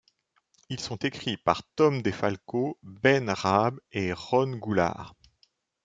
Ils sont écrits par Tom DeFalco, Ben Raab et Ron Goulart.